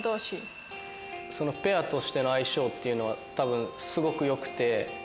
そのペアとしての相性っていうのは、たぶん、すごくよくて。